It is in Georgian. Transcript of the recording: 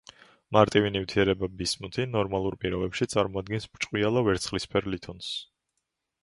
მარტივი ნივთიერება ბისმუთი ნორმალურ პირობებში წარმოადგენს ბრჭყვიალა ვერცხლისფერ ლითონს.